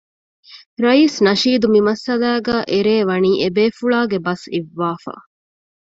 ރައީސް ނަޝީދު މިމައްސަލާގައި އެރޭ ވަނީ އެބޭފުޅާގެ ބަސް އިއްވާފަ